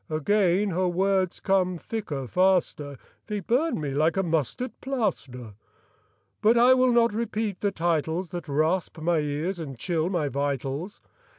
Again her words come thicker, faster, They burn me like a mustard plaster. But I will not repeat the titles That rasp my ears and chill my vitals.